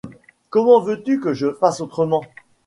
Comment veux-tu que je fasse autrement ?